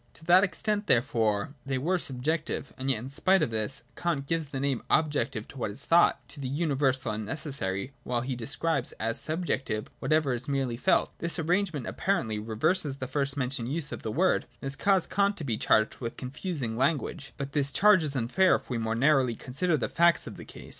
To that extent therefore, they were subjective. And yet in spite of this, Kant gives the name objective to what is thought, to the universal and necessary, while he describes as subjective whatever is merely felt. This arrangement apparently reverses the first mentioned use of the word, and has caused Kant to be charged with confusing language. But the charge is unfair if we more narrowly consider the facts of the case.